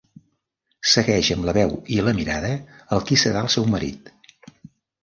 Segueix amb la veu i la mirada el qui serà el seu marit.